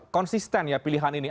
konsisten ya pilihan ini